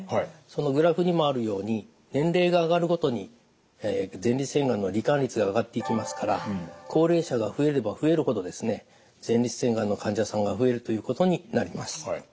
そのグラフにもあるように年齢が上がるごとに前立腺がんの罹患率が上がっていきますから高齢者が増えれば増えるほどですね前立腺がんの患者さんが増えるということになります。